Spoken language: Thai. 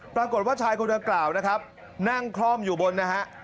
ปรากฏว่าชายคนดังกล่าวนะครับนั่งคล่อมอยู่บนนะฮะ